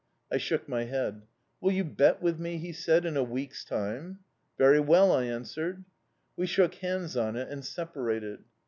"I shook my head. "'Will you bet with me?' he said. 'In a week's time?' "'Very well,' I answered. "We shook hands on it and separated.